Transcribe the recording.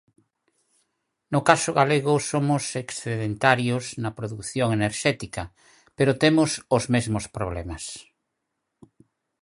No caso galego somos excedentarios na produción enerxética pero temos os mesmos problemas.